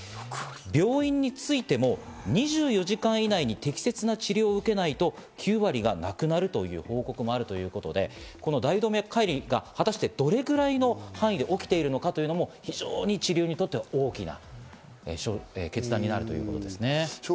病院についても２４時間以内に適切な治療を受けないと９割が亡くなるという報告もあるということで、この大動脈解離が果たして、どれくらいの範囲で起きているのかというのも非常に治療にとっては大きな決断になるということですね。